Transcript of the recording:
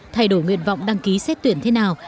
thay đổi nguyện vọng đăng ký xét tuyển thế nào